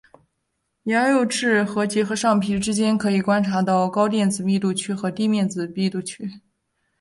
牙釉质和结合上皮之间可以观察到高电子密度区和低电子密度区。